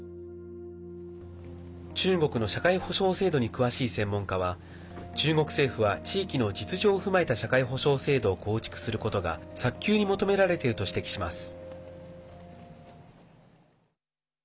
中国の社会保障制度に詳しい専門家は中国政府は地域の実情を踏まえた社会保障制度を構築することが早急に求められていると指摘します。